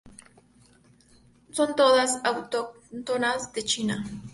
Son todas autóctonas de China.